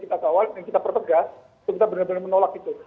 itu yang kita kawal yang kita perpegas itu kita benar benar menolak itu